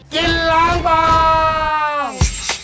กินล้างบาง